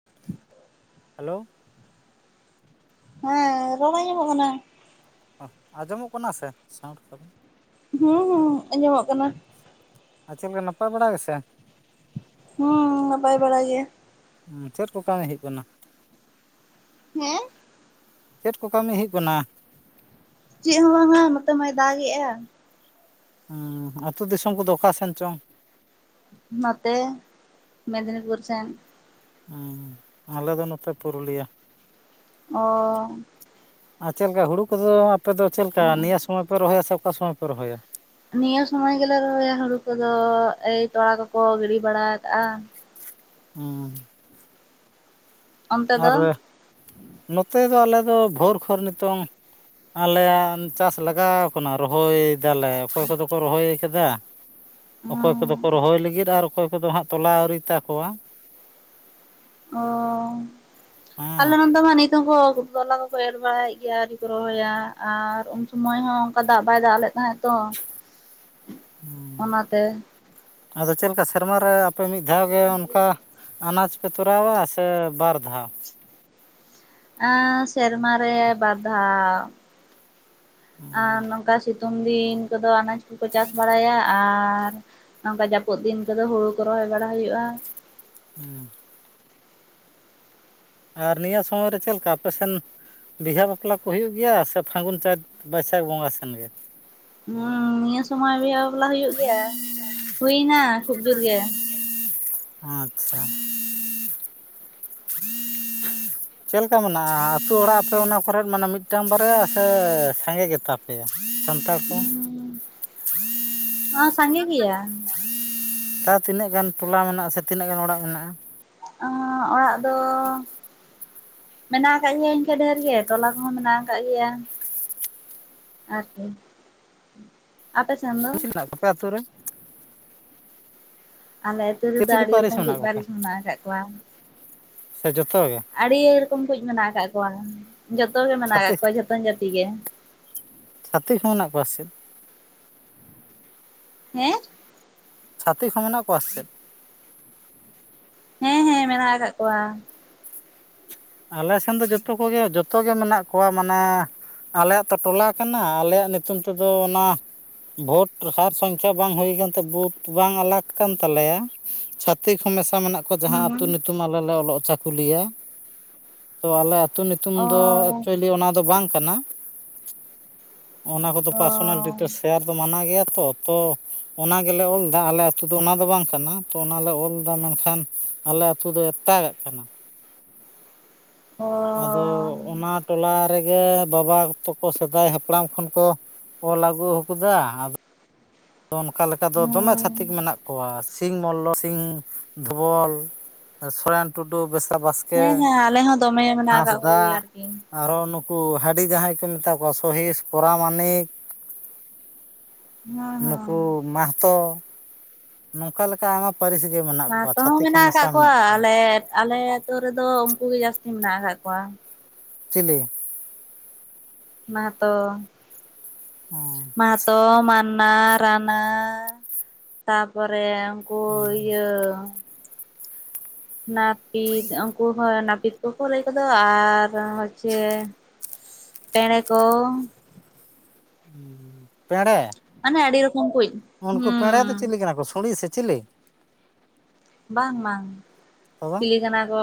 [inaudible] Hello ᱦᱮᱸ ᱨᱚᱲ ᱟᱧᱡᱚᱜ ᱠᱟᱱᱟ᱾ ᱚ ᱟᱸᱡᱚᱢᱚᱜ ᱠᱟᱱᱟ ᱥᱮ ᱥᱟᱸᱣᱱᱰ ᱠᱚ ᱫᱚ ᱦᱩᱸ ᱦᱩᱸ ᱟᱸᱡᱚᱢᱚᱜ ᱠᱟᱱᱟ᱾ ᱟ [unintelligible] ᱱᱟᱯᱟᱭ ᱵᱟᱲᱟ ᱜᱮᱥᱮ᱾ ᱦᱩᱸ ᱱᱟᱯᱟᱭ ᱵᱟᱲᱟ ᱜᱮ᱾ ᱪᱮᱫ ᱠᱚ ᱠᱟᱹᱢᱤ ᱦᱩᱭᱩᱜ ᱠᱟᱱᱟ? ᱦᱮᱸ ᱪᱮᱫ ᱠᱚ ᱠᱟᱹᱢᱤ ᱦᱩᱭᱩᱜ ᱠᱟᱱᱟ? ᱪᱮᱫ ᱦᱚᱸ ᱵᱟᱝ ᱱᱚᱛᱮ ᱢᱟᱭ ᱫᱟᱜᱽ ᱜᱮᱭᱟᱭ ᱮᱟ ᱦᱸ ᱟᱹᱛᱩ ᱫᱤᱥᱚᱢ ᱠᱚᱫᱚ ᱚᱠᱟ ᱥᱮᱱ ᱪᱚᱝ? ᱱᱚᱛᱮ ᱢᱮᱫᱽᱱᱤᱯᱩᱨ ᱥᱮᱱ ᱦᱸ ᱟᱞᱮ ᱫᱚ ᱱᱚᱛᱮ ᱯᱩᱨᱩᱞᱤᱭᱟᱹ ᱚ ᱟᱨ ᱪᱮᱫ ᱞᱮᱠᱟ ᱦᱩᱲᱩ ᱠᱚᱫᱚ ᱟᱯᱮ ᱫᱚ ᱪᱮᱫ ᱞᱮᱠᱟ ᱱᱤᱭᱟᱹ ᱥᱚᱢᱚᱭ ᱯᱮ ᱨᱚᱦᱚᱭᱟ ᱥᱮ ᱚᱠᱟ ᱥᱚᱢᱚᱭ ᱯᱮ ᱨᱚᱦᱚᱭᱟ ᱱᱤᱭᱟᱹ ᱥᱩᱚᱢᱚᱭ ᱜᱮᱞᱮ ᱨᱚᱦᱭᱟ ᱦᱩᱲᱩ ᱠᱚᱫᱚ ᱮᱭ ᱛᱚᱲᱟ ᱠᱚᱠᱚ ᱜᱤᱰᱤ ᱵᱟᱲᱟ ᱟᱠᱟᱜᱼᱟ ᱦᱩᱸ ᱚᱱᱛᱮ ᱟᱨ ᱫᱚ ᱱᱚᱛᱮ ᱫᱚ ᱟᱞᱮ ᱫᱚ ᱵᱷᱳᱨ ᱠᱷᱚᱱ ᱱᱤᱛᱚᱝ ᱟᱞᱮᱭᱟᱜ ᱪᱟᱥ ᱞᱟᱜᱟᱣ ᱟᱠᱟᱱᱟ ᱨᱚᱦᱚᱭ ᱫᱟᱞᱮ ᱚᱠᱚᱭ ᱠᱚᱫᱚ ᱠᱚ ᱨᱚᱦᱚᱭ ᱟᱠᱟᱫᱟ ᱚᱠᱚᱭ ᱠᱚᱫᱚ ᱠᱚ ᱨᱚᱦᱚᱭ ᱞᱟᱹᱜᱤᱫ ᱟᱨ ᱚᱠᱚᱭ ᱠᱚᱫᱚ ᱦᱟᱸᱜ ᱛᱚᱞᱟ ᱟᱹᱣᱨᱤ ᱛᱟᱠᱚᱣᱟ ᱟᱞᱮ ᱦᱮᱸ ᱱᱚᱛᱮ ᱢᱟ ᱱᱤᱛ ᱛᱮ ᱦᱚᱸ ᱩᱱᱠᱩ ᱛᱚᱞᱟ ᱫᱚ ᱠᱚ ᱮᱨ ᱵᱟᱲᱟᱭᱮᱫ ᱜᱮᱭᱟ ᱟᱣᱨᱤ ᱠᱚ ᱨᱚᱦᱚᱭᱟ ᱟᱨ ᱩᱱ ᱥᱢᱚᱭ ᱦᱚᱸ ᱚᱱᱠᱟ ᱫᱟᱜ ᱵᱟᱭ ᱫᱟᱜ ᱞᱮᱫ ᱛᱟᱦᱮᱸ ᱛᱚ [unintelligible] [inaudible] ᱦᱩᱸ᱾ ᱚᱱᱟᱛᱮ ᱟᱫᱚ ᱪᱮᱫ ᱞᱮᱠᱟ ᱥᱮᱨᱢᱟ ᱨᱮ ᱟᱯᱮ ᱢᱤᱫ ᱫᱷᱟᱣ ᱜᱮ ᱚᱱᱠᱟ ᱟᱱᱟᱡᱽ ᱛᱚᱨᱟᱣ-ᱟ ᱥᱮ ᱵᱟᱨ ᱫᱷᱟᱣ ᱮᱸ ᱥᱮᱨᱢᱟ ᱨᱮ ᱵᱟᱨ ᱫᱷᱟᱣ ᱟᱨ ᱦᱩᱸ ᱱᱚᱝᱠᱟ ᱥᱤᱛᱩᱝ ᱥᱤᱛᱩᱝ ᱫᱤᱱ ᱠᱚᱫᱚ ᱟᱱᱟᱡ ᱠᱚᱠᱚ ᱪᱟᱥ ᱵᱟᱲᱟᱭᱟ ᱟᱨ ᱱᱚᱝᱠᱟ ᱡᱟᱹᱯᱩᱫ ᱫᱤᱱ ᱠᱚᱫᱚ ᱦᱩᱲᱩ ᱠᱚ ᱨᱚᱦᱚᱭ ᱵᱟᱲᱟ ᱦᱩᱭᱩᱜᱼᱟ ᱦᱩᱸ ᱟᱨ ᱱᱤᱭᱟᱹ ᱥᱚᱢᱚᱭ ᱨᱮ ᱪᱮᱫ ᱞᱮᱠᱟ ᱟᱯᱮᱥᱱ ᱵᱤᱦᱟᱹ ᱵᱟᱯᱞᱟ ᱠᱚ ᱦᱩᱭᱩᱜ ᱜᱮᱭᱟ ᱥᱮ ᱯᱷᱟᱹᱜᱩᱱ ᱪᱟᱸᱛ ᱵᱟᱹᱭᱥᱟᱹᱠᱷ ᱵᱚᱸᱜᱟ ᱥᱮᱱ ᱜᱮ ᱦᱩᱸ ᱱᱤᱭᱟᱹ ᱥᱚᱢᱚᱭ ᱵᱤᱦ ᱵᱟᱞᱟ ᱦᱩᱭᱩᱜ ᱜᱮᱭᱟ ᱦᱩᱭᱱᱟ ᱠᱷᱩᱵ ᱡᱳᱨ ᱜᱮ ᱟᱪᱪᱷᱟ [unintelligible] ᱪᱮᱫᱞᱮᱠᱟ ᱢᱮᱱᱟᱜᱼᱟ ᱟᱹᱛᱩᱳ ᱚᱲᱟᱜ ᱟᱯᱮ ᱚᱱᱟ ᱠᱚᱨᱮᱫ ᱢᱟᱱᱮ ᱢᱤᱫᱴᱟᱝ ᱵᱟᱨᱭᱟ ᱥᱮ ᱥᱟᱸᱜᱮ ᱜᱮᱛᱟᱯᱮ ᱥᱟᱱᱛᱟᱲ ᱠᱚ ᱥᱟᱸᱜᱮ ᱜᱮᱭᱟ ᱛᱟᱶ ᱛᱤᱱᱟᱹᱜ ᱜᱟᱱ ᱴᱚᱞᱟ ᱢᱮᱱᱟᱜᱼᱟ ᱥᱮ ᱛᱤᱱᱟᱹᱜ ᱜᱟᱱ ᱚᱲᱟᱜ ᱢᱮᱱᱟᱜᱼᱟ [unintelligible] ᱚᱲᱟᱜ ᱫᱚ ᱢᱮᱱᱟᱜ ᱟᱠᱟᱫ ᱜᱮᱭᱟ ᱤᱱᱠᱟᱹ ᱰᱷᱮᱨ ᱜᱮ ᱴᱚᱞᱟ ᱠᱚᱦᱚᱸ ᱢᱮᱱᱟᱜ ᱟᱠᱟᱫ ᱜᱮᱭᱟ ᱟᱪᱪᱷᱟ [inaudible] ᱠᱩ [unintelligible] ᱟᱯᱮ ᱟᱹᱛᱩ ᱨᱮ ᱟᱞᱮ ᱟᱹᱛᱩ ᱪᱤᱞᱤ ᱨᱮᱫᱚ ᱪᱤᱞᱤ ᱟᱹᱰᱤ ᱯᱟᱹᱨᱤᱥ ᱨᱚᱠᱚᱢ ᱠᱩ ᱢᱮᱱᱟᱜ ᱠᱚᱯᱮ ᱯᱟᱹᱨᱤᱡ ᱢᱮᱱᱟᱜ ᱟᱠᱟᱫ ᱠᱚᱣᱟ ᱥᱮ ᱡᱚᱛᱚ ᱜᱮ ᱟᱹᱰᱤ ᱩᱭᱟ ᱨᱚᱠᱚᱢ ᱠᱚ ᱢᱮᱱᱟᱜ ᱟᱠᱟᱫ ᱠᱚᱣᱟ ᱡᱚᱛᱚ ᱜᱮ ᱢᱮᱱᱟᱜ ᱟᱠᱟᱫ ᱪᱷᱟᱹᱛᱤᱠ ᱠᱚᱣᱟ ᱡᱚᱛᱚᱱ ᱡᱟᱹᱛᱤ ᱜᱮ ᱪᱷᱟᱹᱛᱤᱠ ᱠᱚ ᱢᱮᱱᱟᱜ ᱠᱚᱣᱟ ᱥᱮᱪᱮᱫ ᱦᱮᱸ ᱪᱷᱛᱷᱤᱤᱠ ᱦᱚᱸ ᱢᱮᱱᱟᱜ ᱠᱚᱣᱟ ᱥᱮᱪᱮᱫ ᱦᱮᱸ ᱦᱮᱸ ᱢᱮᱱᱟᱜ ᱟᱠᱟᱫ ᱠᱚᱣᱟ ᱟᱞᱮ ᱥᱮᱱ ᱫᱚ ᱡᱚᱛᱚ ᱠᱚᱜᱮ ᱡᱚᱛᱚᱜᱮ ᱢᱮᱱᱟᱜ ᱠᱚᱣᱟ ᱢᱟᱱᱮ ᱟᱞᱮᱭᱟᱜ ᱛᱚ ᱴᱚᱞᱟ ᱠᱟᱱᱟ ᱟᱞᱮᱭᱟᱜ ᱧᱩᱛᱩᱢ ᱛᱮᱫᱚ ᱚᱱᱟ ᱵᱷᱳᱴ ᱥᱟᱨ ᱥᱚᱝᱠᱷᱟ ᱵᱟᱝ ᱦᱩᱭ ᱟᱠᱟᱱ ᱛᱮ ᱵᱩᱛᱷ ᱵᱟᱝ ᱟᱞᱟᱜ ᱠᱟᱱ ᱛᱟᱞᱮᱭᱟ ᱪᱷᱟᱛ ᱪᱷᱟᱛᱤᱠ ᱦᱚᱸ ᱢᱮᱥᱟ ᱢᱮᱱᱟᱜ ᱠᱚᱣᱟ ᱡᱟᱦᱟᱸ ᱟᱹᱛᱩ ᱦᱩᱸ ᱧᱩᱛᱩᱢ ᱟᱞᱮ ᱞᱮ ᱚᱞᱚᱜ-ᱟ ᱪᱟᱠᱩᱞᱤᱭᱟᱹ ᱛᱚ ᱟᱞᱮ ᱟᱹᱛᱩ ᱧᱩᱛᱩᱢ ᱫᱚ ᱚ ᱮᱠᱪᱩᱭᱮᱞᱤ ᱚᱱᱟ ᱫᱚ ᱵᱟᱝ ᱠᱟᱱᱟ ᱚᱱᱟ ᱠᱚᱫᱚ ᱚ ᱯᱟᱨᱥᱚᱱᱟᱞ ᱰᱤᱴᱮᱞᱥ ᱥᱮᱭᱟᱨ ᱫᱚ ᱢᱟᱱᱟ ᱜᱮᱭᱟ ᱛᱚ ᱛᱚ ᱚᱱᱟ ᱜᱮᱞᱮ ᱚᱞ ᱫᱟ ᱟᱞᱮ ᱟᱛᱳ ᱫᱚ ᱚᱱᱟ ᱫᱚ ᱵᱟᱝ ᱠᱟᱱᱟ ᱛᱚ ᱚᱱᱟᱞᱮ ᱚᱞ ᱫᱟ ᱢᱮᱱᱠᱷᱟᱱ ᱟᱞᱮ ᱟᱛᱩ ᱫᱚ ᱮᱴᱟᱜ-ᱟᱜ ᱠᱟᱱᱟ ᱚ ᱟᱫᱚ ᱚᱱᱟ ᱴᱚᱞᱟ ᱨᱮᱜᱮ ᱵᱟᱵᱟ ᱛᱟᱠᱚ ᱥᱮᱫᱟᱭ ᱦᱟᱯᱲᱟᱢ ᱠᱷᱚᱱ ᱠᱚ ᱚᱞ ᱟᱹᱜᱩ ᱟᱠᱟᱫᱟ ᱟᱫᱚ ᱚᱱᱠᱟ ᱞᱮᱠᱟ ᱫᱚ ᱫᱚᱢᱮ ᱦᱩᱸ ᱪᱷᱟᱹᱛᱤᱠ ᱢᱮᱱᱟᱜ ᱠᱚᱣᱟ ᱥᱤᱝ ᱢᱚᱞᱞᱚ ᱥᱤᱝ ᱫᱷᱚᱵᱚᱞ ᱥᱚᱨᱮᱱ ᱴᱩᱰᱩ ᱵᱮᱥᱟ ᱵᱟᱥ ᱦᱮᱸ ᱦᱮᱸ ᱟᱞᱮ ᱦᱚᱸ ᱫᱚᱢᱮ ᱢᱮᱱᱟᱜ ᱟᱠᱟᱜ ᱠᱚᱜᱮᱭᱟ ᱟᱨᱠᱤ ᱟᱨᱦᱸ ᱱᱩᱠᱩ ᱦᱟᱺᱰᱤ ᱡᱟᱦᱟᱸᱭ ᱠᱚ ᱢᱮᱛᱟ ᱠᱚᱣᱟ ᱥᱚᱦᱤᱥ ᱯᱚᱨᱟᱢᱟᱱᱤᱠ ᱦᱮᱸ ᱦᱮᱸ ᱩᱱᱩᱠᱩ ᱢᱟᱦᱚᱛᱚ ᱱᱚᱝᱠᱟ ᱞᱮᱠᱟ ᱟᱭᱢᱟ ᱯᱟᱹᱨᱤᱥ ᱜᱮ ᱢᱮᱱᱟᱜ ᱠᱚᱣᱟ ᱢᱟᱦᱟᱛᱚ ᱪᱷᱟᱛᱤᱠ ᱦᱚᱸ ᱢᱮᱱᱟᱜ ᱟᱠᱟᱫ ᱢᱮᱥᱟ ᱢᱮᱱᱟᱜ ᱠᱚᱣᱟ ᱟᱞᱮ ᱟᱞᱮ ᱟᱹᱛᱩᱳ ᱨᱮᱫᱚ ᱩᱱᱠᱩ ᱜᱮ ᱡᱟᱹᱥᱛᱤ ᱢᱮᱱᱟᱜ ᱟᱠᱟᱫ ᱠᱚᱣᱟ ᱪᱤᱞᱤ ᱢᱟᱦᱚᱛᱚ ᱢᱟᱦᱟᱛᱚ ᱢᱟᱱᱱᱟ ᱨᱟᱱᱟ ᱛᱟ ᱯᱚᱨᱮ ᱠᱚ ᱤᱭᱟᱹ ᱱᱟᱹᱯᱤᱛ ᱩᱱᱠᱩ ᱦᱚᱸ ᱱᱟᱹᱯᱤᱛ ᱠᱚᱠᱚ ᱞᱟᱹᱭ ᱠᱚᱫᱚ ᱟᱨ ᱦᱚᱪᱪᱷᱮ ᱯᱮᱸᱲᱮ ᱠᱚ ᱯᱮᱸᱲᱮ ᱢᱟᱱᱮ ᱟᱹᱰᱤ ᱨᱚᱠᱚᱢ ᱠᱳᱡᱽ ᱩᱱᱠᱩ ᱯᱮᱸᱲᱟ ᱫᱚ ᱪᱤᱞᱤ ᱠᱟᱱᱟ ᱠᱚ ᱥᱩᱸᱲᱤ ᱥᱮ ᱪᱤᱞᱤ ᱵᱟᱝ ᱵᱟᱝ ᱛᱚᱵᱮ ᱥᱤ ᱠᱟᱱᱟ ᱠᱚ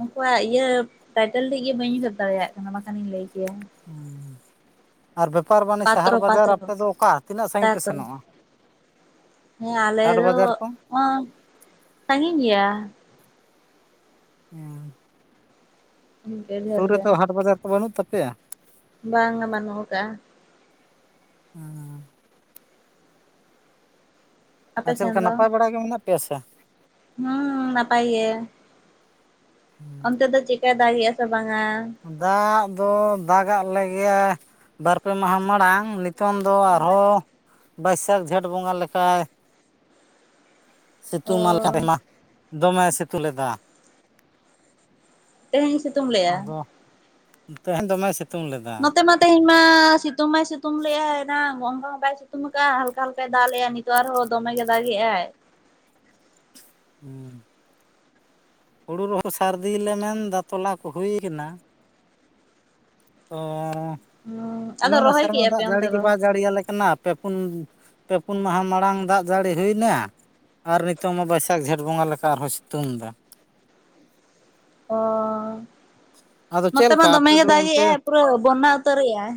ᱩᱱᱠᱩᱣᱟᱜ ᱤᱭᱟᱹ ᱴᱟᱭᱴᱮᱞ ᱛᱮᱡ ᱜᱮ ᱵᱟᱹᱧ ᱩᱭᱦᱟᱹᱨ ᱫᱟᱲᱮᱭᱟᱜ ᱠᱟᱱᱟ ᱵᱟᱝ ᱠᱷᱟᱱᱤᱧ ᱞᱟᱹᱭ ᱠᱮᱭᱟ ᱦᱩᱸ [unintelligible] ᱟᱨ ᱵᱮᱯᱟᱨ ᱵᱟᱹᱱᱤᱡᱽ ᱥᱟᱦᱟᱨ ᱯᱟᱛᱨᱚ ᱵᱟᱡᱟᱨ ᱯᱟᱛᱨᱚ ᱟᱯᱮ ᱫᱚ ᱚᱠᱟ ᱛᱤᱱᱟᱹᱜ ᱥᱟᱺᱜᱤᱧ ᱯᱮ ᱛᱟᱨᱯᱚᱨᱮ ᱥᱮᱱᱚᱜᱼᱟ ᱦᱮᱸ ᱟᱞᱮ ᱦᱟᱴ ᱫᱚ ᱵᱟᱡᱟᱨ ᱠᱚ? ᱚᱱᱟ [unintelligible] ᱥᱟᱺᱜᱤᱧ ᱜᱮᱭᱟ ᱦᱮᱸ [unintelligible] ᱤᱱᱠᱟᱹ ᱰᱷᱮᱨ ᱥᱩᱨ ᱜᱮ ᱨᱮᱫᱚ ᱦᱟᱴ ᱵᱟᱡᱟᱨ ᱠᱚ ᱵᱟᱹᱱᱩᱜ ᱛᱟᱯᱮᱭᱟ ᱵᱟᱝᱟ ᱵᱟᱹᱱᱩᱜ ᱠᱟᱜ ᱟ ᱦᱩᱸ ᱦᱩᱸ [unintelligible] ᱟᱯᱮ ᱟᱨ ᱪᱮᱫ ᱥᱮᱱ ᱞᱮᱠᱟ ᱫᱚ ᱱᱟᱯᱟᱭ ᱵᱟᱲᱟ ᱜᱮ ᱢᱮᱱᱟᱜ ᱯᱮᱭᱟ ᱥᱮ ᱦᱩᱸ ᱱᱟᱯᱟᱭ ᱜᱮ ᱦᱩᱸ, ᱚᱱᱛᱮ ᱫᱚ ᱪᱤᱠᱟᱭ ᱫᱟᱜ ᱮ ᱥᱮ ᱵᱟᱝᱟ ᱫᱟᱜ ᱫᱚ ᱫᱟᱜᱟᱜ ᱞᱮᱜᱮᱭᱟᱭ ᱵᱟᱨ ᱯᱮ ᱢᱟᱦᱟ ᱢᱟᱲᱟᱝ ᱱᱤᱛ ᱱᱤᱛᱚᱝ ᱫᱚ ᱟᱨᱦᱚᱸ ᱵᱟᱹᱭᱥᱟᱹᱠᱷ ᱡᱷᱮᱸᱴ ᱵᱚᱸᱜᱟ ᱞᱮᱠᱟᱭ ᱚ ᱥᱤᱛᱩᱝ ᱢᱟ. ᱞᱮᱠᱟ ᱫᱚᱢᱮ ᱥᱤᱛᱩᱝ ᱞᱮᱫᱟ ᱛᱮᱦᱮᱧ ᱥᱤᱛᱩᱝ ᱞᱮᱭᱟ ᱟᱫᱚ ᱛᱮᱦᱮᱧ ᱫᱚᱢᱮᱭ ᱥᱮᱛ... ᱱᱚᱛᱮ ᱢᱟ ᱛᱮᱦᱮᱧ ᱢᱟ ᱥᱤᱛᱩᱝ ᱢᱟᱭ ᱥᱤᱛᱩᱝ ᱞᱮᱭᱟᱭ ᱮᱱᱟᱝ ᱦᱚᱝᱠᱟ ᱦᱚᱝᱠᱟᱭ ᱥᱤᱛᱩᱝ ᱠᱟᱜᱼᱟ ᱦᱟᱞᱠᱟ ᱦᱟᱞᱠᱟᱭ ᱫᱟᱜ ᱞᱮᱭᱟ ᱱᱤᱛ ᱱᱤᱛᱚᱜ ᱟᱨᱦᱚᱸ ᱫᱚᱢᱮ ᱜᱮ ᱫᱟᱜᱮᱭ ᱦᱩᱸ ᱦᱩᱲᱩ ᱨᱮᱦᱚᱸ ᱥᱟᱹᱨᱫᱤ ᱞᱮᱱᱟ ᱫᱟ ᱛᱚᱞᱟ ᱠᱚ ᱦᱩᱭ ᱮᱱᱟ ᱛᱚ ᱦᱩᱸ ᱚᱱᱮ ᱟᱫᱚ ᱚᱱᱟ ᱨᱚᱦᱚᱭ ᱥᱮᱨᱢᱟ ᱠᱮᱜᱼᱟ ᱯᱮ ᱫᱟᱜ ᱡᱟᱹᱲᱤ ᱚᱱᱛᱮ ᱜᱮ ᱫᱚ ᱵᱟᱭ ᱡᱟᱹᱲᱤᱭᱟᱞᱮ ᱠᱟᱱᱟ ᱯᱮ ᱯᱩᱱ ᱯᱮ ᱯᱩᱱ ᱢᱟᱦᱟ ᱢᱟᱲᱟᱝ ᱫᱟᱜ ᱡᱟᱹᱲᱤ ᱦᱩᱭ ᱮᱱᱟ ᱟᱨ ᱱᱤᱛᱚᱝ ᱢᱟ ᱵᱟᱹᱭᱥᱟᱹᱠᱷ ᱡᱷᱮᱸᱴ ᱵᱚᱸᱜᱟ ᱞᱮᱠᱟ ᱟᱨᱦᱚᱸᱭ ᱥᱤᱛᱩᱝ ᱮᱫᱟ ᱚ... ᱟᱫᱚ ᱪᱮᱫ ᱱᱚᱛᱮ ᱢᱟ ᱞᱮᱠᱟ ᱫᱚᱢᱮ ᱟᱯᱮ ᱜᱮ ᱫᱚ ᱫᱟᱜ ᱮ ᱚᱱᱛᱮ ᱟᱭ ᱯᱩᱨᱟᱹ ᱵᱚᱱᱱᱟ ᱩᱛᱟᱹᱨ ᱮ ᱟᱭ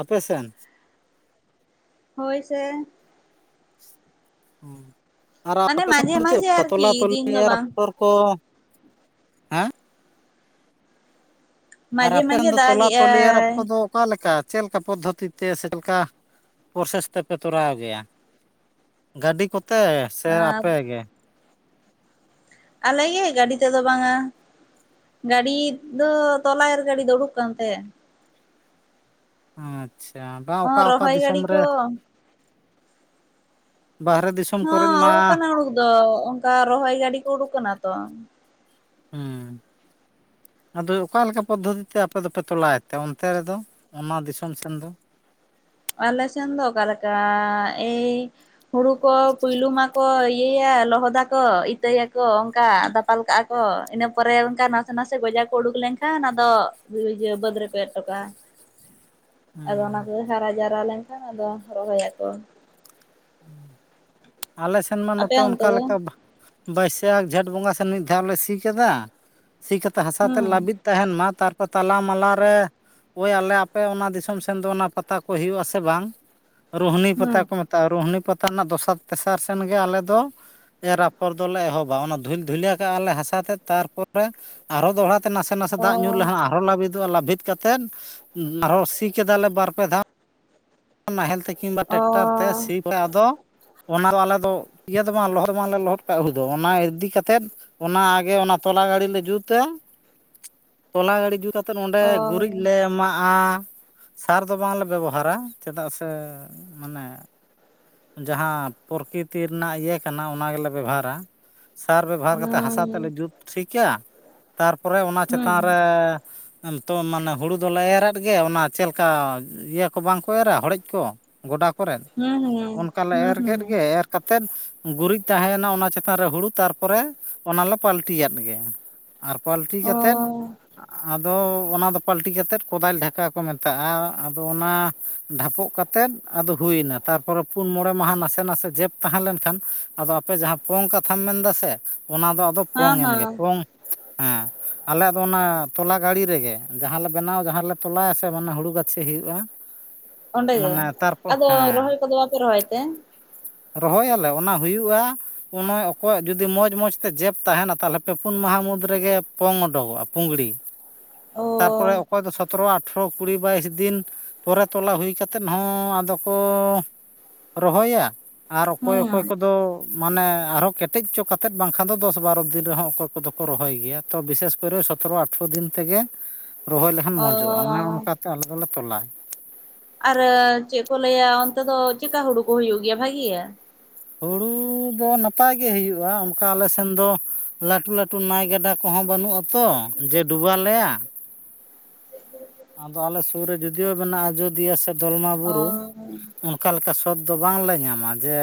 ᱟᱯᱮ ᱥᱮᱱ ᱦᱳᱭ ᱥᱮ ᱦ ᱟᱨ ᱢᱟᱱᱮ ᱟᱯᱮ [inaudible] ᱥᱮᱱ ᱢᱟᱡᱷᱮ ᱫᱚ ᱪᱮᱫ ᱢᱟᱡᱷᱮ ᱞᱮᱠᱟ ᱛᱚᱞᱟ ᱟᱨᱠᱤ ᱛᱚᱞ ᱫᱤᱱ ᱫᱚ ᱵᱟᱝ ᱛᱟᱯᱚᱨ ᱠᱚ ᱦᱮᱸ ᱟᱨ ᱢᱟᱡᱷᱮ ᱟᱯᱮᱨᱮᱱ ᱢᱟᱡᱷᱮ ᱫᱚ ᱛᱚᱞᱟ ᱛᱚᱞᱮᱭᱟᱨ ᱟᱠᱚ ᱫᱟᱜᱮᱜᱼᱟᱭ ᱫᱚ ᱚᱠᱟ ᱞᱮᱠᱟ ᱪᱮᱫ ᱞᱮᱠᱟ ᱯᱚᱫᱽᱫᱷᱚᱛᱤ ᱛᱮ ᱥᱮ ᱪᱮᱫ ᱞᱮᱠᱟ ᱯᱨᱚᱥᱮᱥ ᱛᱮᱯᱮ ᱛᱚᱨᱟᱣ ᱜᱮᱭᱟ ᱜᱟᱹᱰᱤ ᱠᱚᱛᱮ ᱥᱮ ᱟᱨ ᱟᱯᱮ ᱜᱮ ᱟᱞᱮ ᱜᱮ ᱜᱟᱹᱰᱤ ᱛᱮᱫᱚ ᱵᱟᱝᱼᱟ ᱜᱟᱹᱰᱤ ᱫᱚ ᱛᱚᱞᱟ ᱮᱨ ᱜᱟᱹᱰᱤ ᱩᱰᱩᱠ ᱠᱟᱱ ᱛᱮ ᱟᱪᱪᱷᱟ ᱵᱟᱝ ᱚᱸ ᱚᱠᱟ ᱚᱠᱟ ᱨᱚᱦᱚᱭ ᱫᱤᱥᱚᱢ ᱜᱟᱹᱰᱤ ᱨᱮ ᱠᱚ ᱵᱟᱦᱨᱮ ᱫᱤᱥᱚ ᱼᱼ ᱦᱚᱸ ᱩᱰᱩᱠ ᱠᱟᱱᱟ ᱩᱰᱩᱠ ᱫᱚ ᱚᱱᱠᱟ ᱨᱚᱦᱚᱭ ᱜᱟᱹᱰᱤ ᱠᱚ ᱩᱰᱩᱠ ᱠᱟᱱᱟ ᱛᱚ ᱦᱮᱸ ᱟᱫᱚ ᱚᱠᱟ ᱞᱮᱠᱟ ᱯᱚᱫᱽᱫᱷᱚᱛᱤ ᱛᱮ ᱟᱯᱮ ᱫᱚᱯᱮ ᱛᱚᱞᱟᱭᱮᱫ ᱛᱮ ᱚᱱᱛᱮ ᱨᱮᱫᱚ ᱚᱱᱟ ᱫᱤᱥᱚᱢ ᱥᱮᱱ ᱫᱚ ᱟᱞᱮ ᱥᱮᱱ ᱫᱚ ᱚᱠᱟᱞᱮᱠᱟ ᱮᱭ ᱦᱩᱲᱩ ᱠᱚ ᱯᱩᱭᱞᱩ ᱢᱟᱠᱚ ᱮᱭᱟ ᱞᱚᱦᱚᱫᱟ ᱠᱚ ᱤᱛᱟᱹᱭᱟᱠᱚ ᱚᱱᱠᱟ ᱫᱟᱯᱟᱞ ᱠᱟᱜᱼᱟ ᱠᱚ ᱤᱱᱟᱹ ᱯᱚᱨᱮ ᱚᱱᱠᱟ ᱱᱟᱥᱮ ᱜᱚᱡᱟ ᱠᱚ ᱩᱰᱩᱠ ᱞᱮᱱᱠᱷᱟᱱ ᱚᱱᱟ ᱫᱚ ᱵᱟᱹᱫᱽ ᱨᱮᱠᱚ ᱮᱨ ᱦᱚᱴᱚ ᱠᱟᱜᱼᱟ [inaudible] ᱟᱫᱚ ᱚᱱᱟ ᱦᱩᱸ ᱠᱚᱜᱮ ᱦᱟᱨᱟ ᱡᱟᱣᱨᱟ ᱞᱮᱱ ᱠᱷᱟᱱ ᱟᱫᱚ ᱨᱚᱦᱚᱭ ᱟᱠᱚ ᱟᱞᱮ ᱥᱮᱱ ᱢᱟ ᱟᱯᱮ ᱱᱚᱛᱮ ᱚᱱᱛᱮ ᱚᱱᱠᱟ ᱫᱚ ᱞᱮᱠᱟ ᱵᱟᱝ ᱵᱟᱹᱭᱥᱟᱹᱠᱷ ᱡᱷᱮᱸᱴ ᱵᱚᱸᱜᱟ ᱥᱮ ᱢᱤᱫ ᱫᱷᱟᱣᱞᱮ ᱥᱤ ᱠᱮᱫᱟ ᱥᱤ ᱠᱟᱛᱮ ᱦᱟᱥᱟ ᱛᱮ ᱦᱩᱸ ᱞᱟᱹᱵᱤᱫ ᱛᱟᱦᱮᱱ ᱢᱟ ᱛᱟᱨᱯᱚᱨ ᱛᱟᱞᱟ ᱢᱟᱞᱟ ᱨᱮ ᱦᱳᱭ ᱟᱞᱮ ᱟᱯᱮ ᱚᱱᱟ ᱫᱤᱥᱚᱢ ᱥᱮᱱ ᱫᱚ ᱚᱱᱟ ᱯᱟᱛᱟ ᱠᱚ ᱦᱩᱭᱩᱜ ᱟᱥᱮ ᱵᱟᱝ ᱨᱳᱦᱱᱤ ᱯᱟᱛᱟ ᱦᱩᱸ ᱠᱚ ᱢᱮᱛᱟᱜᱼᱟ ᱨᱳᱦᱱᱤ ᱯᱟᱛᱟ ᱨᱮᱱᱟᱜ ᱫᱚᱥᱟᱨ ᱛᱮᱥᱟᱨ ᱥᱮᱱ ᱜᱮ ᱟᱞᱮ ᱫᱚ ᱮᱨ ᱟᱯᱷᱚᱲ ᱫᱚᱞᱮ ᱮᱦᱚᱵᱟ ᱚᱱᱟ ᱫᱷᱩᱞ ᱫᱷᱩᱞᱟᱹ ᱠᱟᱜᱼᱟ ᱞᱮ ᱦᱟᱥᱟ ᱛᱮᱫ ᱛᱟᱨᱯᱚᱨᱮ ᱟᱨᱦᱚ ᱫᱚᱲᱦᱟ ᱱᱟᱥᱮ ᱱᱟᱥᱮ ᱫᱟᱜ ᱧᱩᱨ ᱚ ᱞᱟᱦᱟ ᱟᱨᱦᱚᱸ ᱞᱵᱤᱫᱚᱜᱼᱟ ᱞᱟᱹᱵᱤᱫ ᱠᱟᱛᱮ ᱟᱨᱦᱚᱸ ᱥᱤ ᱠᱮᱫᱟᱞᱮ ᱵᱟᱨ ᱯᱮ ᱫᱷᱟᱣ ᱱᱟᱦᱮᱞ ᱛᱮ ᱠᱤᱢᱵᱟ ᱚ ᱴᱮᱠᱴᱟᱨ ᱛᱮ ᱥᱤ ᱟᱫᱚ ᱚᱱᱟ ᱫᱚ ᱟᱞᱮ ᱫᱚ ᱤᱭᱟᱹ ᱫᱚ ᱵᱟᱝ ᱞᱚᱦᱚᱫ ᱵᱟᱝᱞᱮ ᱞᱚᱦᱚᱫ ᱠᱟᱜ ᱦᱩᱭ ᱫᱚ ᱚᱱᱟ ᱤᱫᱤ ᱠᱟᱛᱮᱫ ᱚᱱᱟ ᱟᱜᱮ ᱚᱱᱟ ᱛᱚᱞᱟ ᱜᱟᱹᱲ ᱞᱮ ᱡᱩᱛᱟ ᱛᱚᱞᱟ ᱜᱟᱲᱩᱤ ᱡᱩᱛ ᱠᱟᱛᱮ ᱛᱚ ᱱᱚᱸᱰᱮ ᱚ ᱜᱩᱨᱤᱡ ᱞᱮ ᱮᱢᱟᱜᱼᱟ ᱥᱟᱨ ᱫᱚ ᱵᱟᱝᱞᱮ ᱵᱮᱵᱚᱦᱟᱨᱟ ᱪᱮᱫᱟᱜ ᱥᱮ ᱢᱟᱱᱮ ᱡᱟᱦᱟᱸ ᱯᱨᱚᱠᱤᱛᱤ ᱨᱮᱱᱟᱜ ᱤᱭᱟᱹ ᱠᱟᱱᱟ ᱚᱱᱟ ᱜᱮᱞᱮ ᱵᱮᱵᱷᱟᱨᱟ ᱥᱟᱨ ᱵᱮᱵᱚᱦᱟᱨ ᱠᱟᱛᱮ ᱦᱟᱥᱟ ᱛᱮᱞᱮ ᱦᱩᱸ ᱡᱩᱛ ᱴᱷᱤᱠᱟ ᱛᱟᱨᱯᱚᱨᱮ ᱚᱱᱟ ᱦᱩᱸ ᱪᱮᱛᱟᱱ ᱨᱮ ᱛᱚ ᱢᱟᱱᱮ ᱦᱩᱲᱩ ᱫᱚᱞᱮ ᱮᱨ ᱟᱫ ᱜᱮ ᱚᱱᱟ ᱪᱮᱫᱞᱮᱠᱟ ᱤᱭᱟᱹ ᱠᱚ ᱵᱟᱝᱠᱚ ᱮᱨᱟ ᱦᱚᱲᱮᱡ ᱠᱚ ᱜᱚᱰᱟ ᱠᱚᱨᱮ ᱦᱩᱸ ᱦᱮ ᱚᱱᱠᱟ ᱞᱮ ᱮᱨ ᱠᱮᱫ ᱜᱮ ᱮᱨ ᱠᱟᱛᱮᱫ ᱜᱩᱨᱤᱡ ᱛᱟᱦᱮᱸᱭᱮᱱᱟ ᱚᱱᱟ ᱪᱮᱛᱟᱱ ᱨᱮ ᱦᱩᱲᱩ ᱛᱟᱨᱯᱚᱨᱮ ᱚᱱᱟᱞᱮ ᱯᱟᱞᱴᱤ ᱟᱫ ᱜᱮ ᱟᱨ ᱯᱟᱞᱴᱤ ᱚ ᱠᱟᱛᱮᱫ ᱟᱫᱚ ᱚᱱᱟ ᱫᱚ ᱯᱟᱞᱴᱤ ᱠᱟᱛᱮᱫ ᱠᱚᱫᱟᱞ ᱰᱷᱟᱠᱟ ᱠᱚ ᱢᱮᱛᱟᱜᱼᱟ ᱟᱫᱚ ᱚᱱᱟ ᱰᱷᱟᱯᱚᱜ ᱠᱟᱛᱮᱫ ᱟᱫᱚ ᱦᱩᱭᱮᱱᱟ ᱛᱟᱨᱯᱚᱨᱮ ᱯᱩᱱ ᱢᱚᱬᱮ ᱢᱟᱦᱟ ᱱᱟᱥᱮ ᱱᱟᱥᱮ ᱡᱮᱵᱽ ᱛᱟᱦᱮᱸ ᱞᱮᱱᱠᱷᱟᱱ ᱟᱫᱚ ᱟᱯᱮ ᱡᱟᱦᱟᱸ ᱯᱚᱝ ᱠᱟᱛᱷᱟᱢ ᱢᱮᱱ ᱮᱫᱟ ᱥᱮ ᱚᱱᱟ ᱫᱚ ᱟᱫᱚ ᱯᱚᱝ ᱦᱮᱸ ᱮᱱ ᱜᱮ ᱦᱮᱸ ᱯᱚᱝ ᱦᱮᱸ ᱟᱞᱮᱭᱟᱜ ᱫᱚ ᱚᱱᱟ ᱛᱚᱞᱟ ᱜᱟᱲᱤ ᱨᱮᱜᱮ ᱡᱟᱦᱟᱸ ᱞᱮ ᱵᱮᱱᱟᱣ ᱡᱟᱦᱟᱸᱞᱮ ᱛᱚᱞᱟᱭᱟ ᱥᱮ ᱢᱟᱱᱮ ᱦᱩᱲᱩ ᱜᱟᱛᱮ ᱥᱤ ᱦᱩᱭᱩᱜᱼᱟ ᱚᱸᱰᱮ ᱜᱮ ᱢᱟᱱᱮ ᱛᱟᱨᱯᱚᱨ ᱟᱫᱚ ᱦᱮᱸ ᱨᱚᱦᱚᱭ ᱠᱚᱫᱚ ᱵᱟᱯᱮ ᱨᱚᱦᱚᱭ ᱛᱮ ᱨᱚᱦᱚᱭᱟᱞᱮ ᱚᱱᱟ ᱦᱩᱭᱩᱜᱼᱟ ᱚᱠᱚᱭᱟᱜ ᱡᱩᱫᱤ ᱢᱚᱡᱽ ᱢᱚᱡᱽ ᱛᱮ ᱡᱮᱵᱽ ᱛᱟᱦᱮᱱᱟ ᱛᱟᱦᱚᱞᱮ ᱯᱮ ᱯᱩᱱ ᱢᱟᱦᱟ ᱢᱩᱫᱽ ᱨᱮᱜᱮ ᱯᱚᱝ ᱚᱰᱩᱚᱜᱼᱟ ᱯᱩᱝᱲᱤ ᱛᱟᱨᱯᱚᱨᱮ ᱚ ᱚᱠᱚᱭ ᱫᱚ ᱥᱚᱛᱨᱚ ᱟᱴᱷᱨᱚ ᱠᱩᱲᱤ ᱵᱟᱭᱤᱥ ᱫᱤᱱ ᱯᱚᱨᱮ ᱛᱚᱞᱟ ᱦᱩᱭ ᱠᱟᱛᱮᱫ ᱦᱚᱸ ᱟᱫᱚ ᱠᱚ ᱨᱚᱦᱚᱭᱟ ᱟᱨ ᱚᱠᱚᱭ ᱚᱠᱚᱭ ᱦᱮᱸ ᱠᱚᱫᱚ ᱢᱟᱱᱮ ᱟᱨᱦᱚᱸ ᱠᱮᱴᱮᱡᱪᱚ ᱠᱟᱛᱮᱫ ᱵᱟᱝᱠᱷᱟᱱ ᱫᱚ ᱫᱚᱥ ᱵᱟᱨᱚ ᱫᱤᱱ ᱨᱮᱦᱚᱸ ᱚᱠᱚᱭ ᱠᱚᱫᱚ ᱠᱚ ᱨᱚᱦᱚᱭ ᱜᱮᱭᱟ ᱛᱚ ᱵᱤᱥᱮᱥ ᱠᱚᱨᱮ ᱥᱚᱛᱮᱨᱚ ᱟᱴᱷᱨᱚ ᱫᱤᱱ ᱛᱮᱜᱮ ᱨᱚᱦᱚᱭ ᱞᱮᱠᱷᱟᱱ ᱢᱚᱡᱚᱜᱼᱟ ᱚᱱᱮ ᱚ ᱚᱱᱠᱟ ᱟᱞᱮ ᱫᱚᱞᱮ ᱛᱚᱞᱟ ᱟᱨ ᱪᱮᱫ ᱠᱚ ᱞᱟᱹᱭᱟ ᱚᱱᱛᱮ ᱫᱚ ᱪᱮᱠᱟ ᱦᱩᱲᱩ ᱠᱚ ᱦᱩᱭᱩᱜ ᱜᱮᱭᱟ ᱵᱷᱟᱹᱜᱤᱭᱟ? ᱦᱩᱲᱩ ᱫᱚ ᱱᱟᱯᱟᱭ ᱜᱮ ᱦᱩᱭᱩᱜᱼᱟ ᱚᱱᱠᱟ ᱟᱞᱮ ᱥᱮᱱ ᱫᱚ ᱞᱟᱹᱴᱩ ᱞᱟᱹᱴᱩ ᱱᱟᱭ ᱜᱟᱰᱟ ᱠᱚᱦᱚᱸ ᱵᱟᱹᱱᱩᱜᱼᱟ ᱛᱚ ᱡᱮ ᱰᱩᱵᱟᱹ ᱟᱞᱮᱭᱟ ᱟᱫᱚ ᱟᱞᱮ ᱥᱩᱨ ᱨᱮ ᱡᱳᱫᱤᱭᱳ ᱢᱮᱱᱟᱜᱼᱟ ᱟᱡᱳᱚᱫᱤᱭᱟᱹ ᱥᱮ ᱫᱚᱞᱢᱟ ᱚ ᱵᱩᱨᱩ ᱚᱱᱠᱟ ᱞᱮᱠᱟ ᱥᱚᱛ ᱫᱚ ᱵᱟᱝ ᱞᱮ ᱧᱟᱢᱟ ᱡᱮ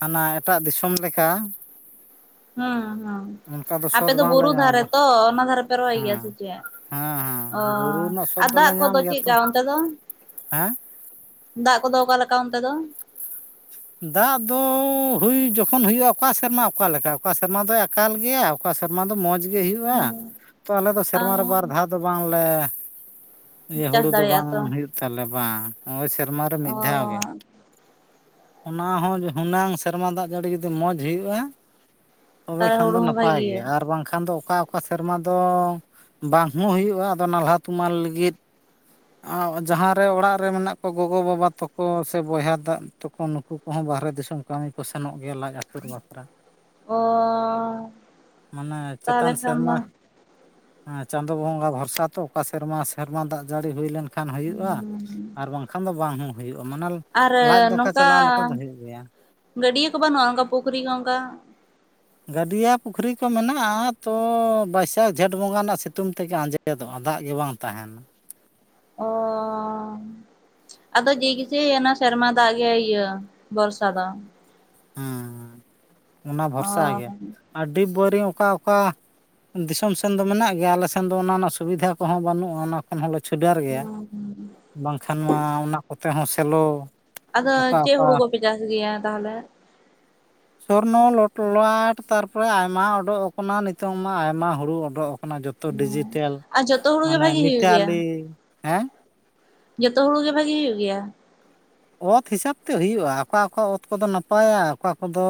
ᱦᱟᱱᱟ ᱮᱴᱟᱜ ᱫᱤᱥᱚᱢ ᱞᱮᱠᱟ ᱦᱮᱸ ᱦᱮᱸ ᱚᱱᱠᱟ ᱟᱯᱮ ᱥᱚᱛ ᱫᱚ ᱵᱩᱨᱩ ᱵᱟᱝᱞᱮ ᱫᱷᱟᱨᱮ ᱧᱟᱢᱟ ᱛᱚ ᱚᱱᱟ ᱫᱷᱟᱨᱮ ᱯᱮ ᱨᱚᱦᱚᱭ ᱜᱮᱭᱟ ᱥᱮ ᱦᱮᱸ ᱪᱮᱫ? ᱦᱮᱸ ᱚ ᱦᱮᱸ ᱵᱩᱨᱩ ᱨᱮᱱᱟᱜ ᱥᱚᱛ ᱟᱨ ᱫᱚᱞᱮ ᱫᱟᱜ ᱠᱚᱫᱚ ᱧᱟᱢ ᱜᱮᱭᱟ ᱪᱮᱫ ᱠᱟ ᱛᱚ ᱚᱱᱛᱮ ᱫᱚ ᱦᱮᱸ ᱫᱟᱜ ᱠᱚᱫᱚ ᱚᱠᱟ ᱞᱮᱠᱟ ᱚᱱᱛᱮ ᱫᱚ? ᱫᱟᱜ ᱫᱚ ᱦᱩᱭ ᱡᱚᱠᱷᱚᱱ ᱦᱩᱭᱩᱜᱼᱟ ᱚᱠᱟ ᱥᱮᱨᱢᱟ ᱚᱠᱟ ᱞᱮᱠᱟ ᱚᱠᱟ ᱥᱮᱨᱢᱟ ᱫᱚ ᱟᱠᱟᱞ ᱜᱮᱭᱟᱭ ᱚᱠᱟ ᱥᱮᱨᱢᱟ ᱫᱚ ᱢᱚᱡᱽ ᱜᱮ ᱜᱮ ᱦᱩᱭᱩᱜᱼᱟ ᱛᱚ ᱟᱞᱮ ᱫᱚ ᱥᱮᱨᱢᱟ ᱨᱮ ᱵᱟᱨ ᱫᱷᱟᱣ ᱫᱚ ᱵᱟᱝ ᱞᱮ ᱤᱭᱟᱹ ᱪᱟᱥ ᱦᱩᱲᱩ ᱫᱚ ᱵᱟᱝ ᱫᱟᱲᱮᱭᱟᱜᱼᱟ ᱛᱚ ᱦᱩᱭᱩᱜ ᱛᱟᱞᱮ ᱵᱟᱝ ᱱᱚᱜᱼᱚᱭ ᱥᱮᱨᱢᱟᱨᱮ ᱚ ᱢᱤᱫ ᱫᱷᱟᱣ ᱜᱮ ᱚᱱᱟ ᱦᱚᱸ ᱦᱩᱱᱟᱹᱝ ᱥᱮᱨᱢᱟ ᱫᱟᱜ ᱡᱟᱹᱲᱤ ᱡᱩᱫᱤ ᱢᱚᱡᱽ ᱦᱩᱭᱩᱜᱼᱟ ᱛᱚᱵᱮ ᱛᱟᱦᱚᱞᱮ ᱠᱷᱟᱱ ᱦᱩᱲᱩ ᱫᱚ ᱦᱚᱸ ᱱᱟᱯᱟᱭ ᱵᱷᱟᱜᱤ ᱜᱮ ᱟᱨ ᱵᱟᱝᱠᱷᱟᱱ ᱫᱚ ᱚᱠᱟ ᱚᱠᱟ ᱥᱮᱨᱢᱟ ᱫᱚ ᱵᱟᱝ ᱦᱚᱸ ᱦᱩᱭᱩᱜᱼᱟ ᱟᱫᱚ ᱱᱟᱞᱦᱟ ᱛᱩᱢᱟᱹᱞ ᱞᱟᱹᱜᱤᱫ ᱡᱟᱦᱟᱸ ᱨᱮ ᱚᱲᱟᱜ ᱨᱮ ᱢᱮᱱᱟᱜ ᱠᱚᱣᱟ ᱜᱚᱜᱚ ᱵᱟᱵᱟ ᱛᱟᱠᱚ ᱥᱮ ᱵᱚᱭᱦᱟ ᱫᱟ ᱛᱟᱠᱚ ᱱᱩᱠᱩ ᱩᱱᱠᱩ ᱠᱚᱦᱚᱸ ᱵᱟᱦᱨᱮ ᱫᱤᱥᱚᱢ ᱠᱟᱹᱢᱤ ᱠᱚ ᱥᱮᱱᱚᱜ ᱜᱮᱭᱟ ᱞᱟᱡ ᱟᱹᱥᱩᱞ ᱵᱟᱠᱷᱨᱟ ᱚ ᱢᱟᱱᱮ ᱪᱮᱛᱟᱱ ᱛᱟᱦᱚᱞᱮ ᱠᱷᱟᱱ ᱥᱮᱨᱢᱟ ᱫᱚ ᱦᱮᱸ ᱪᱟᱸᱫᱳ ᱵᱚᱸᱜᱟ ᱵᱷᱚᱨᱥᱟ ᱛᱚ ᱚᱠᱟ ᱥᱮᱨᱢᱟ ᱥᱮᱨᱢᱟ ᱫᱟᱜ ᱡᱟᱹᱲᱤ ᱦᱩᱭ ᱞᱮᱱᱠᱷᱟᱱ ᱠᱷᱟᱱ ᱦᱩᱭᱩᱜᱼᱟ ᱟᱨ ᱵᱟᱝᱠᱷᱟᱱ ᱫᱚ ᱵᱟᱝ ᱦᱚᱸ ᱦᱩᱭᱩᱜᱼᱟ ᱢᱟᱱᱮ ᱟᱨ ᱞᱟᱡ ᱫᱟᱠᱟ ᱱᱚᱝᱠᱟ ᱪᱟᱞᱟᱣ ᱞᱮᱠᱟ ᱫᱚ ᱦᱩᱭᱩᱜ ᱜᱮᱭᱟ ᱜᱟᱹᱰᱭᱟᱹ ᱠᱚ ᱵᱟᱹᱱᱩᱜᱼᱟ ᱚᱱᱠᱟ ᱯᱩᱠᱷᱨᱤ ᱠᱚ ᱚᱱᱠᱟ? ᱜᱟᱹᱰᱭᱟᱹ ᱯᱩᱠᱷᱨᱤ ᱠᱚ ᱢᱮᱱᱟᱜᱼᱟ ᱛᱚ ᱵᱟᱹᱭᱥᱟᱹᱠᱷ ᱡᱷᱮᱸᱴ ᱵᱚᱸᱜᱟ ᱨᱮᱱᱟᱜ ᱥᱤᱛᱩᱝ ᱛᱮᱜᱮ ᱟᱸᱡᱮᱫ ᱼᱼ ᱟᱸᱡᱮᱫᱚᱜᱼᱟ ᱫᱟᱜ ᱜᱮ ᱵᱟᱝ ᱛᱟᱦᱮᱱᱟ᱾ ᱚᱻ ᱟᱫᱚ ᱡᱮ ᱠᱮ ᱥᱮᱭ, ᱚᱱᱟ ᱥᱮᱨᱢᱟ ᱫᱟᱜ ᱜᱮ ᱤᱭᱟᱹ ᱵᱚᱨᱥᱟ ᱫᱚᱼᱼ ᱦᱮᱸ ᱚᱱᱟ ᱚ ᱵᱷᱚᱨᱥᱟ ᱜᱮ ᱟᱨ [unintelligible] ᱚᱠᱟ ᱚᱠᱟ ᱼᱼ ᱫᱤᱥᱚᱢ ᱥᱮᱱ ᱫᱚ ᱢᱮᱱᱟᱜ ᱜᱮᱭᱟ ᱟᱞᱮ ᱥᱮᱱ ᱫᱚ ᱚᱱᱟ ᱨᱮᱱᱟᱜ ᱥᱩᱵᱤᱫᱷᱟ ᱠᱚᱦᱚᱸ ᱵᱟᱹᱱᱩᱜᱼᱟ ᱚᱱᱟᱼᱼ ᱠᱷᱚᱱ ᱦᱚᱸᱞᱮ ᱪᱷᱩᱰᱟᱨ ᱜᱮᱭᱟ ᱵᱟᱝᱠᱷᱟᱱ ᱢᱟ ᱚᱱᱟ ᱠᱚᱛᱮ ᱦᱚᱸ ᱥᱮᱞᱳᱼᱼ ᱟᱫᱚ ᱪᱮᱫ ᱦᱩᱲᱩ ᱠᱚᱯᱮ ᱪᱟᱥ ᱜᱮᱭᱟ ᱛᱟᱦᱚᱞᱮ? ᱥᱚᱨᱱᱚ ᱞᱚᱞᱟᱴ ᱛᱟᱨᱯᱚᱨᱮ ᱟᱭᱢᱟ ᱩᱰᱩᱜ ᱟᱠᱟᱱᱟ ᱱᱤᱛᱚᱝ ᱢᱟ ᱟᱭᱢᱟ ᱦᱩᱲᱩ ᱚᱰᱚᱠ ᱟᱠᱟᱱᱟ ᱡᱚᱛᱚᱼᱼ ᱡᱚᱛᱚ ᱰᱤᱡᱤᱴᱮᱞ ᱟᱨ ᱡᱚᱛᱚ ᱦᱩᱲᱩ ᱜᱮ ᱢᱟᱱᱮ ᱵᱷᱟᱜᱤ ᱦᱩᱭᱩᱜ ᱜᱮᱭᱟ ᱢᱤᱛᱟᱞᱤ᱾ ᱦᱮᱸᱼᱼ ᱡᱚᱛᱚ ᱦᱩᱲᱩ ᱜᱮ ᱵᱷᱟᱜᱤ ᱦᱩᱭᱩᱜ ᱜᱮᱭᱟ? ᱚᱛ ᱦᱤᱥᱟᱹᱵᱽ ᱛᱮ ᱦᱩᱭᱩᱜᱼᱟ ᱚᱠᱟ ᱚᱠᱟ ᱚᱛ ᱠᱚᱫᱚ ᱱᱟᱯᱟᱭᱟ ᱟᱨ ᱚᱠᱟ ᱠᱚᱫᱚᱼᱼ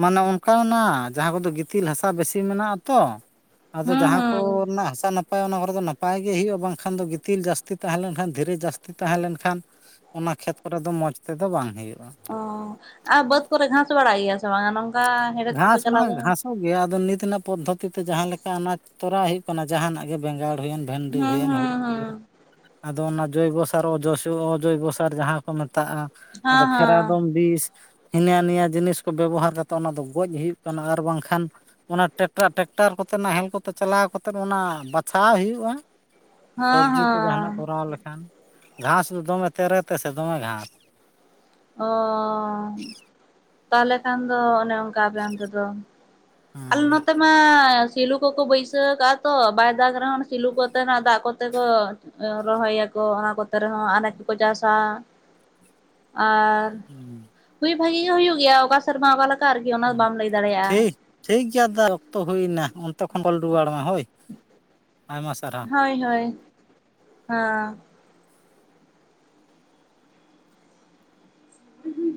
ᱢᱟᱱᱮ ᱚᱱᱠᱟᱱᱟᱜ ᱡᱟᱦᱟᱸ ᱠᱚᱫᱚ ᱜᱤᱛᱤᱞ ᱦᱟᱥᱟ ᱵᱮᱥᱤ ᱢᱮᱱᱟᱜ ᱟᱛᱚᱼᱼ ᱟᱫᱚ ᱦᱩᱸ ᱡᱟᱦᱟᱸ ᱠᱚ ᱦᱩᱸ ᱨᱮᱱᱟᱜ ᱦᱟᱥᱟ ᱱᱟᱯᱟᱭᱼᱼ ᱱᱟᱯᱟᱭᱟ ᱚᱱᱟ ᱠᱚᱨᱮ ᱫᱚ ᱱᱟᱯᱟᱭ ᱜᱮ ᱦᱩᱭᱩᱜᱼᱟ ᱵᱟᱝᱠᱷᱟᱱ ᱫᱚ ᱜᱤᱛᱤᱞ ᱡᱟᱹᱥᱛᱤ ᱛᱟᱦᱮᱸ ᱞᱮᱱᱠᱷᱟᱱ ᱫᱷᱤᱨᱤ ᱡᱟᱹᱥᱛᱤ ᱛᱟᱦᱮᱸ ᱞᱮᱱᱠᱷᱟᱱᱼᱼ ᱚᱱᱟ ᱠᱷᱮᱛ ᱠᱚᱨᱮ ᱫᱚ ᱢᱚᱸᱡᱽ ᱛᱮᱫᱚ ᱵᱟᱝ ᱦᱩᱭᱩᱜᱼᱟ᱾ ᱚᱻ ᱟᱨ ᱵᱟᱹᱫᱽ ᱠᱚᱨᱮ ᱜᱷᱟᱸᱥ ᱵᱟᱲᱟᱜ ᱜᱮᱭᱟ ᱥᱮ ᱵᱟᱝ? ᱜᱷᱟᱥ ᱢᱟ ᱜᱷᱟᱥᱚᱜ ᱜᱮᱭᱟ ᱟᱫᱚ ᱱᱤᱛ ᱨᱮᱱᱟᱜ ᱯᱚᱫᱽᱫᱷᱚᱛᱤ ᱛᱮ ᱡᱟᱦᱟᱸ ᱞᱮᱠᱟ ᱚᱱᱟ ᱛᱚᱨᱟᱣ ᱦᱩᱭᱩᱜ ᱠᱟᱱᱟᱼᱼ ᱡᱟᱦᱟᱱᱟᱜ ᱜᱮ ᱵᱮᱸᱜᱟᱲ ᱦᱩᱭᱮᱱ ᱵᱷᱮᱱᱰᱤ ᱦᱩᱸ ᱦᱩᱸ ᱦᱩᱭᱮᱱ ᱦᱩᱲᱩ ᱦᱩᱸ ᱦᱩᱭᱮᱱᱼᱼ ᱦᱮᱸ ᱟᱫᱚ ᱚᱱᱟ ᱡᱚᱭᱵᱚ ᱥᱟᱨ ᱚᱡᱚᱭᱵᱚ ᱥᱟᱨ ᱡᱟᱦᱟᱸᱼᱼ ᱠᱚ ᱢᱮᱛᱟᱜᱼᱟ ᱟᱫᱚ ᱦᱮᱸ ᱯᱷᱮᱨᱟᱰᱚᱞ ᱵᱤᱥ ᱦᱤᱱᱟᱹ ᱱᱤᱭᱟᱹ ᱡᱤᱱᱤᱥ ᱠᱚ ᱵᱮᱵᱚᱦᱟᱨ ᱠᱟᱛᱮᱼᱼ ᱛᱚ ᱚᱱᱟ ᱫᱚ ᱜᱚᱡ ᱦᱩᱭᱩᱜ ᱠᱟᱱᱟ ᱟᱨ ᱵᱟᱝᱠᱷᱟᱱᱼᱼ ᱚᱱᱟ ᱴᱮᱠᱴᱟᱨ ᱠᱚᱛᱮ ᱱᱟᱦᱮᱞ ᱠᱚᱛᱮ ᱪᱟᱞᱟᱣ ᱠᱟᱛᱮᱫ ᱚᱱᱟ ᱵᱟᱪᱷᱟᱣ ᱦᱩᱭᱩᱜᱼᱟ᱾ ᱦᱮᱸ ᱥᱚᱵᱽᱡᱤ ᱠᱚ ᱡᱟᱦᱟᱱᱟᱜ ᱦᱮᱸ ᱠᱚᱨᱟᱣ ᱞᱮᱠᱷᱟᱱ ᱜᱷᱟᱥ ᱫᱚ ᱫᱚᱢᱮ ᱛᱮᱨᱮ ᱛᱮᱥᱮ ᱫᱚᱢᱮ ᱜᱷᱟᱥ᱾ ᱚᱻ ᱛᱟᱦᱚᱞᱮ ᱠᱷᱟᱱ ᱫᱚ ᱚᱱᱮ ᱚᱱᱠᱟ ᱟᱯᱮ ᱚᱱᱛᱮ ᱫᱚᱼᱼ ᱟᱞᱮ ᱱᱚᱛᱮᱼᱼ ᱦᱮᱸ ᱱᱚᱛᱮ ᱢᱟ ᱥᱤᱞᱩ ᱠᱚᱠᱚ ᱵᱟᱹᱭᱥᱟᱹᱣ ᱠᱟᱜᱼᱟ ᱛᱚ ᱵᱟᱭ ᱫᱟᱜ ᱨᱮᱦᱚᱸ ᱥᱤᱞᱩ ᱠᱚᱛᱮ ᱱᱟᱜ ᱫᱟᱜ ᱠᱚᱛᱮ ᱠᱚᱼᱼ ᱨᱚᱦᱚᱭᱟᱠᱚ ᱚᱱᱟ ᱠᱚᱛᱮ ᱨᱮᱦᱚᱸ ᱟᱱᱟᱡᱽ ᱠᱚᱠᱚ ᱪᱟᱥᱟ ᱟᱨᱼᱼ ᱦᱩᱸ ᱼᱼ ᱦᱩᱭ ᱵᱷᱟᱜᱤ ᱜᱮ ᱦᱩᱭᱩᱜ ᱜᱮᱭᱟ ᱚᱠᱟ ᱥᱮᱨᱢᱟ ᱚᱠᱟ ᱞᱮᱠᱟ ᱟᱨᱠᱤ ᱚᱱᱟ ᱫᱚ ᱵᱟᱢ ᱞᱟᱹᱭ ᱫᱟᱲᱮᱭᱟᱜᱼᱟ᱾ ᱴᱷᱤᱠ ᱴᱷᱤᱠ ᱜᱮᱭᱟ [unintelligible] ᱚᱠᱛᱚ ᱦᱩᱭᱱᱟ ᱚᱱᱛᱮ ᱠᱷᱚᱱ [unintelligible] ᱨᱩᱣᱟᱹᱲ ᱢᱮ ᱦᱳᱭ᱾ ᱟᱭᱢᱟ ᱥᱟᱨᱦᱟᱣ ᱦᱳᱭ ᱦᱳᱭ ᱦᱟᱸ [unintelligible] ᱼᱼ